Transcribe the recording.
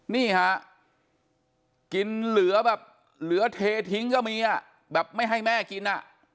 นี่ฮะกินเหลือแบบเหลือเททิ้งก็มีอ่ะแบบไม่ให้แม่กินอ่ะ